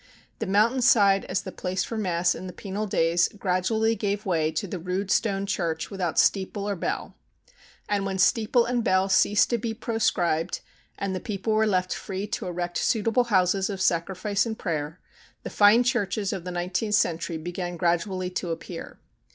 The mountain side as the place for Mass in the penal days gradually gave way to the rude stone church without steeple or bell; and when steeple and bell ceased to be proscribed, and the people were left free to erect suitable houses of sacrifice and prayer, the fine churches of the nineteenth century began gradually to appear.